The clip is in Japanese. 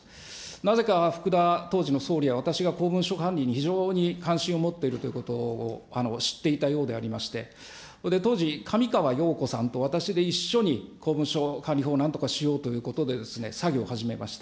なぜか、福田、当時の総理は、私が公文書管理に非常に関心を持っているということを知っていたようでありまして、それで、当時、上川陽子さんと、私で一緒に公文書管理法をなんとかしようということで、作業を始めました。